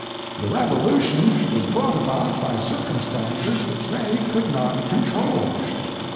The revolution was brought about by circumstances which they could not control.